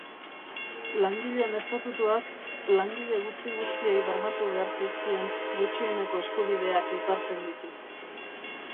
Langileen Estatutuak langile guzti-guztiei bermatu behar zaizkien gutxieneko eskubideak ezartzen ditu.